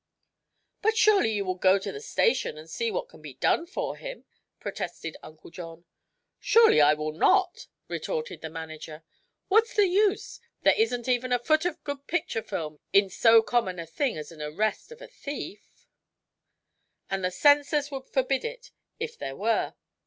"But surely you will go to the station and see what can be done for him?" protested Uncle John. "Surely I will not," retorted the manager. "What's the use? There isn't even a foot of good picture film in so common a thing as the arrest of a thief and the censors would forbid it if there were.